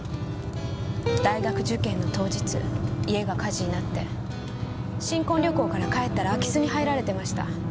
大学受験の当日家が火事になって新婚旅行から帰ったら空き巣に入られてました。